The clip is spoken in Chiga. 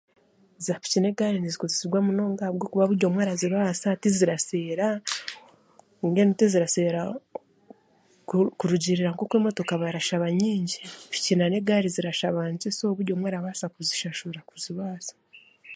Zaapiki n'egari nizikozesebwa munonga ahabwokuba buryomwe arazibaasa tizira seera mbwenu tiziraseera kurugyirira nk'oku ab'emotoka barashaba nyingyi piiki n'an'egaari zirashaba nkye so buryomwe arabasa kuzishahurira kuzibasa.